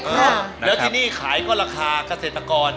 เนอะแล้วที่นี่ขายก็ราคาเกษตรกร